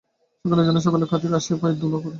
সকলেই জানে, সকলেই খাতির করে, আসিয়া পায়ের ধূলা লয়।